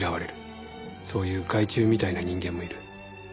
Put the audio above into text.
そういう害虫みたいな人間もいる。